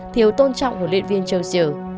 thiếu tôn trọng huấn luyện viên châu sử